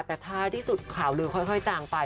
แต่ท้ายที่สุดข่าวลือค่อยจางไป